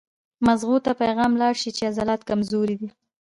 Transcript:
مزغو ته پېغام لاړ شي چې عضلات کمزوري دي